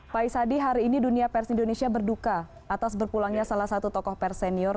pak isadi hari ini dunia pers indonesia berduka atas berpulangnya salah satu tokoh pers senior